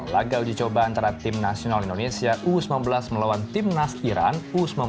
lagal dicoba antara tim nasional indonesia u sembilan belas melawan tim nas iran u sembilan belas